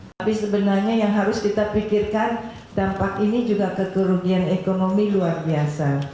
tapi sebenarnya yang harus kita pikirkan dampak ini juga kekerugian ekonomi luar biasa